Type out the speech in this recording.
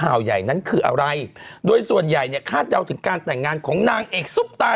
อะไรโดยส่วนใหญ่เนี่ยคาดเดาถึงการแต่งงานของนางเอกซุปตา